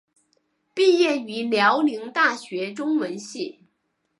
毕业于辽宁大学中文系。